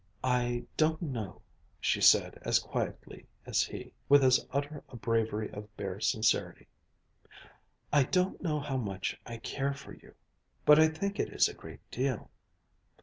"I don't know," she said as quietly as he, with as utter a bravery of bare sincerity, "I don't know how much I care for you but I think it is a great deal."